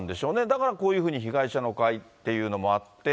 だから、こういうふうに被害者の会っていうのもあって。